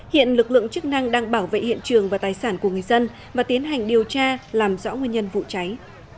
hiện lực lượng chức năng đang bảo vệ hiện trường và tài sản của người dân và tiến hành điều tra làm rõ nguyên nhân vụ cháy